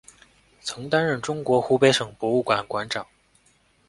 曾担任中国湖北省博物馆馆长。